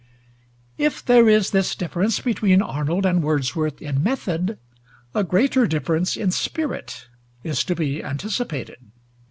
If there is this difference between Arnold and Wordsworth in method, a greater difference in spirit is to be anticipated.